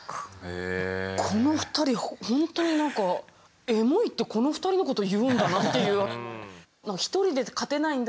この２人ほんとに何かエモいってこの２人のことを言うんだなっていう。